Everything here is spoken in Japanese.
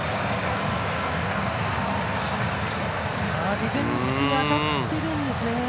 ディフェンスに当たってるんですね。